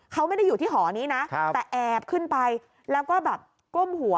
เขาไม่ได้อยู่ที่หอนี้นะแต่แอบขึ้นไปแล้วก็แบบก้มหัว